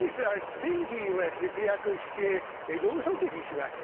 電気は節約してろうそくにしましょう。